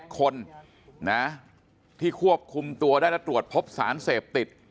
๗คนที่ควบคุมตัวได้และตรวจพบสารเสพติด